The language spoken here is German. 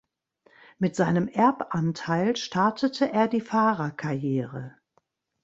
Mit seinem Erbanteil startete er die Fahrerkarriere.